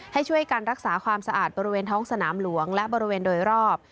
ให้ช่วยกันรักษาความสะอาดบริเวณท้องสนามหลวงและบริเวณโดยรอบ